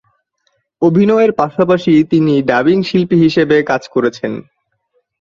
অভিনয়ের পাশাপাশি তিনি ডাবিং শিল্পী হিসেবে কাজ করেছেন।